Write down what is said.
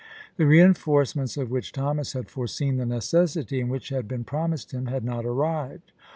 The reenforcements of which Thomas had foreseen the necessity, and which had been promised him, had not arrived.